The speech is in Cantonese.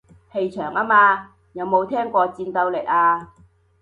氣場吖嘛，有冇聽過戰鬥力啊